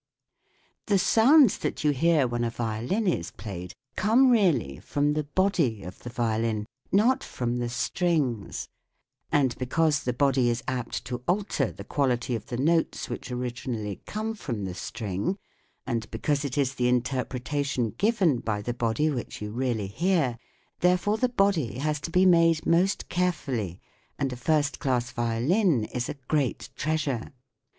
The sounds that you hear when a violin is played come really from the body of the violin, not from the strings ; and because the body is apt to alter the quality of the notes which originally come from the string; and because it is the interpretation given by the body which you really hear, therefore the body has to be made most carefully, and a first class violin is a great treasure.